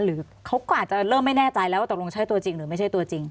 หรือเขาก็อาจจะเริ่มไม่แน่ใจแล้วว่าตกลงใช่ตัวจริงหรือไม่ใช่ตัวจริง